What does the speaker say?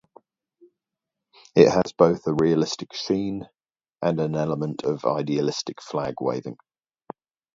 It has both a realistic sheen, and an element of idealistic flag-waving.